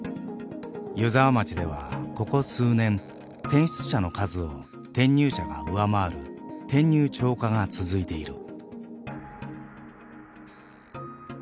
湯沢町ではここ数年転出者の数を転入者が上回る「転入超過」が続いている。